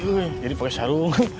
jadi pakai sarung